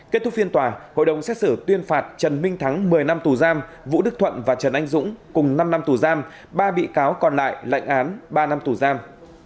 kết thúc phiên tòa hội đồng xét xử tuyên phạt trần minh thắng một mươi năm tù giam vũ đức thuận và trần anh dũng cùng năm năm tù giam ba bị cáo còn lại lệnh án ba năm tù giam